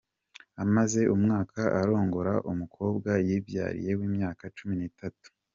Amaze umwaka arongora umukobwa Yibyariye w’imyaka cumi nitatu